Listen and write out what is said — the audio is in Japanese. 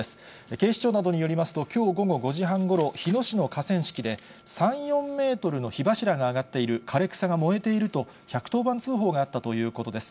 警視庁などによりますと、きょう午後５時半ごろ、日野市の河川敷で、３、４メートルの火柱が上がっている、枯れ草が燃えていると、１１０番通報があったということです。